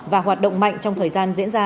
và hoạt động mạnh trong thời gian diễn ra